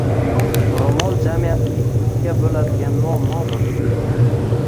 Ro‘mol jamiyatni ikkiga bo‘ladigan muammomi?